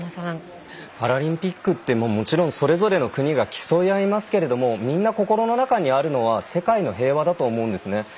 パラリンピックってもちろん、それぞれの国が競い合いますけれどみんな、心の中にあるのは世界の平和だと思うんですね。